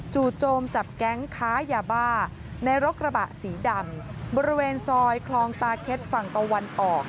จู่โจมจับแก๊งค้ายาบ้าในรถกระบะสีดำบริเวณซอยคลองตาเค็ดฝั่งตะวันออก